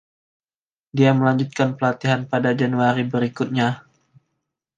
Dia melanjutkan pelatihan pada Januari berikutnya.